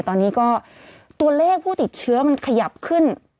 ตอนนี้ก็ตัวเลขผู้ติดเชื้อมันขยับขึ้น